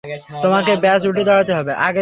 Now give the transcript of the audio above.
তোমাকে ব্যস উঠে দাঁড়াতে হবে।